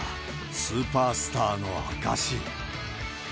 スーパースターの証し。